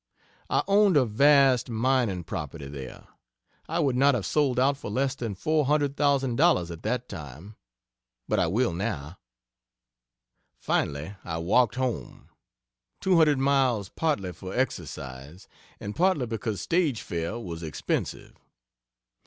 I owned a vast mining property there. I would not have sold out for less than $400,000 at that time. But I will now. Finally I walked home 200 miles partly for exercise, and partly because stage fare was expensive.